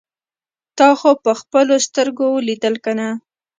تا خو په خپلو سترګو اوليدل کنه.